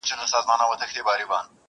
دعا لکه چي نه مني یزدان څه به کوو؟!!